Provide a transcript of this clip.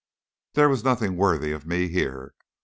There was nothing worthy of me here.